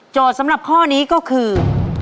สำหรับข้อนี้ก็คือ